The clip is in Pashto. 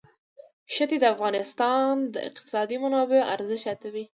ښتې د افغانستان د اقتصادي منابعو ارزښت زیاتوي.